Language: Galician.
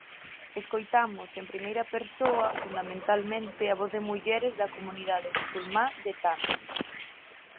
Escoitamos en primeira persoa, fundamentalmente, a voz das mulleres da comunidade musulmá de Tamil.